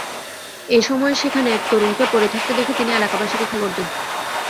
এ সময় সেখানে এক তরুণকে পড়ে থাকতে দেখে তিনি এলাকাবাসীকে খবর দেন।